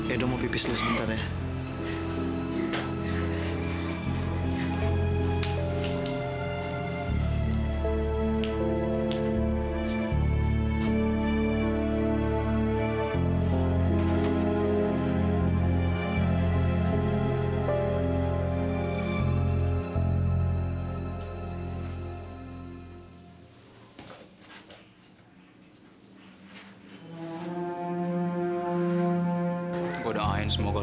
edo mau pipis dulu sebentar ya